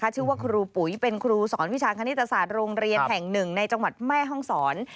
ชื่อว่าครูปุ๋ยเป็นครูสอนวิชาคณิตศาสตร์โรงเรียนแห่งหนึ่งในจังหวัดแม่ห้องศร